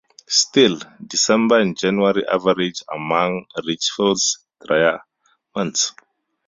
Still, December and January average among Richfield's drier months.